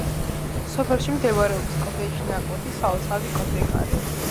სოფელში მდებარეობს კლდეში ნაკვეთი სალოცავი „კლდეკარი“.